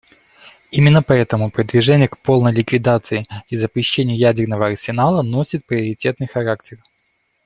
Именно поэтому продвижение к полной ликвидации и запрещению ядерного арсенала носит приоритетный характер.